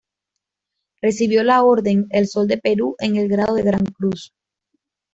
Recibió la Orden El Sol del Perú en el grado de Gran Cruz.